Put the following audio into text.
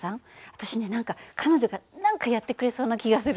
私ね何か彼女が何かやってくれそうな気がする。